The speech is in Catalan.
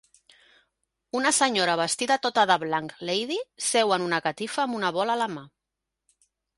Una senyora vestida tota de blanc lady seu en una catifa amb una bola a la mà.